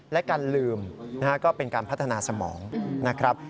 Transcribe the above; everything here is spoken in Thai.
และการลืมนะฮะก็เป็นการพัฒนาสมองนะครับ